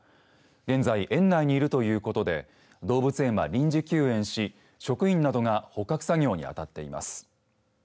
現在、園内にいるということで動物園は臨時休園し職員などが捕獲作業に当たっています。